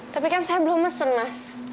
tapi kan saya belum mesen mas